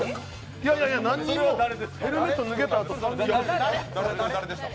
いやいやいや、何人も、ヘルメット脱げたあとそれは誰でした？